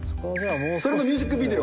それのミュージックビデオ。